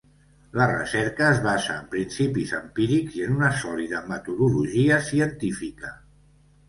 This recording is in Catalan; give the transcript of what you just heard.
La recerca es basa en principis empírics i en una sòlida metodologia científica.